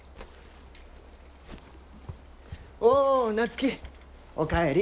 おう夏樹お帰り。